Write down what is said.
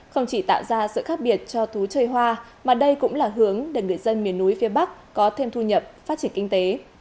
không chỉ tạo ra sự khác biệt cho thú chơi hoa mà đây cũng là hướng để người dân miền núi phía bắc có thêm thu nhập phát triển kinh tế